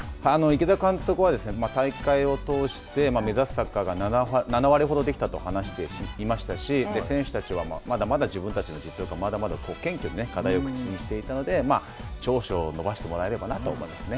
池田監督は、大会を通して目指すサッカーが７割ほどできたと話していましたし、選手たちは、まだまだ自分たちの実力はまだまだと謙虚に課題を口にしていたので、長所を伸ばしてもらえればなと思いますね